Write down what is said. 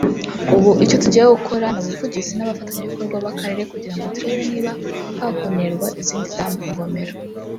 ubu icyo tugiye gukora ni ubuvugizi n’abafatanyabikorwa b’akarere kugira ngo turebe niba hakonerwa izindi damu (ingomero)